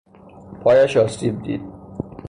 پایش آسیب دید.